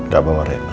gak bawa rena